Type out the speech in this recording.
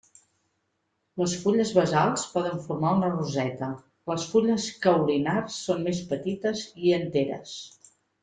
Les fulles basals poden formar una roseta; les fulles caulinars són més petites i enteres.